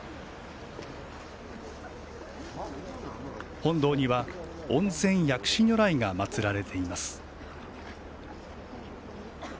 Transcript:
本堂には温泉薬師如来が祭られています。